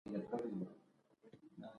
زردالو د بوډا خلکو لپاره هم مفید دی.